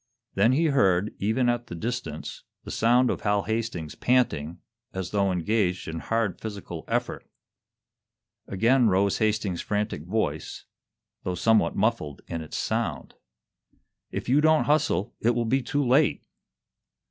Then he heard, even at the distance, the sound of Hal Hastings panting, as though engaged in hard physical effort. Again rose Hastings's frantic voice, though somewhat muffled in its sound. "If you don't hustle, it will be too late!"